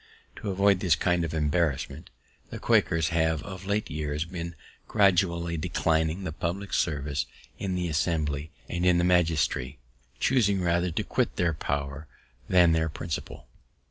To avoid this kind of embarrassment, the Quakers have of late years been gradually declining the public service in the Assembly and in the magistracy, choosing rather to quit their power than their principle.